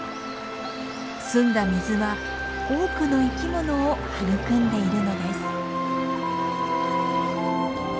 澄んだ水は多くの生きものを育んでいるのです。